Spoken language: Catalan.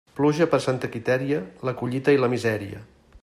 Pluja per Santa Quitèria, la collita i la misèria.